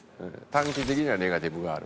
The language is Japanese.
短期的にはネガティブガール。